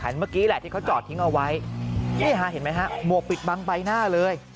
เมื่อกี้แหละที่เขาจอดทิ้งเอาไว้นี่ฮะเห็นไหมฮะหมวกปิดบังใบหน้าเลย